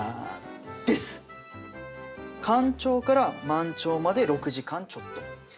干潮から満潮まで６時間ちょっと。